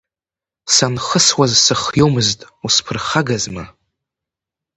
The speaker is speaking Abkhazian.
Санхысуаз сыхиомызт, усԥырхагазма?